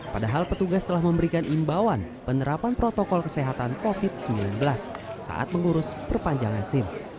padahal petugas telah memberikan imbauan penerapan protokol kesehatan covid sembilan belas saat mengurus perpanjangan sim